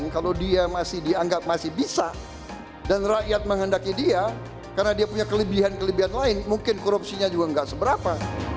karena dia punya kelebihan kelebihan lain mungkin korupsinya juga enggak seberapa